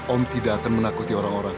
om tidak akan menakuti orang orang